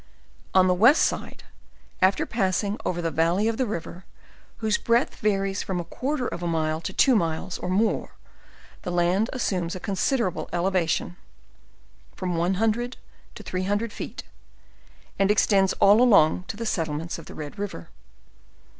On the west side after passing over the valley of the river, whose breadth varies from a quarter of a mile to two miles, or more, the land assumes a considerable eleva tion, from one hundred to three hundred feet, and extends all along to the settlements of the Red river.